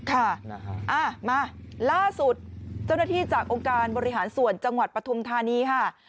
ค่ะมาล่าสุดเจ้าหน้าที่จากองค์การบริหารส่วนจังหวัดปฐุมธานีค่ะ